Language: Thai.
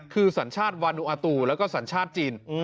คือสัญชาติวานูอาตูแล้วก็สัญชาติจีน